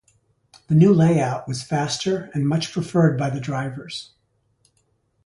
The new layout was faster and much preferred by the drivers.